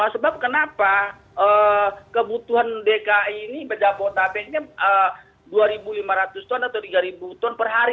sebab kenapa kebutuhan dki ini jabodetabeknya rp dua lima ratus atau rp tiga per hari